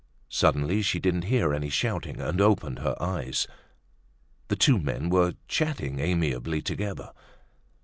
Suddenly, she didn't hear any shouting and opened her eyes. The two men were chatting amiably together.